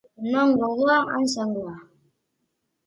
Non gogoa, han zangoa.